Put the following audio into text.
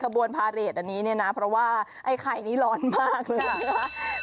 ขบวนพาเรทอันนี้นะเพราะว่าไอ้ไขวัดนี่ร้อนมากเลยค่ะ